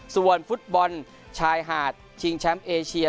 ส่วนฟุตบอลชายหาดชิงแชมป์เอเชีย